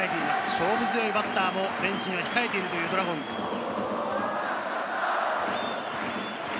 勝負強いバッターもベンチに控えているドラゴンズです。